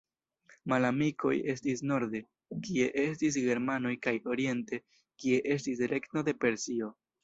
Malamikoj estis norde, kie estis germanoj kaj oriente, kie estis regno de Persio.